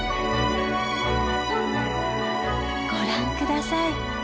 ご覧下さい！